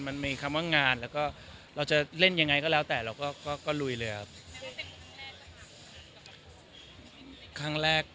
มันมีคำว่างานแล้วก็เราจะเล่นยังไงก็แล้วแต่เราก็ลุยเลยครับ